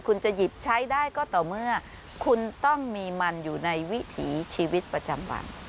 คุณจะหยิบใช้ได้ก็ต่อเมื่อคุณต้องมีมันอยู่ในวิถีชีวิตประจำวัน